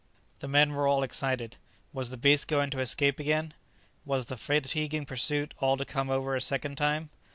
The men were all excited. Was the beast going to escape again? Was the fatiguing pursuit all to come over a second time?